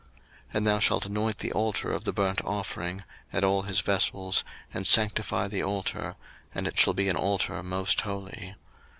02:040:010 And thou shalt anoint the altar of the burnt offering, and all his vessels, and sanctify the altar: and it shall be an altar most holy.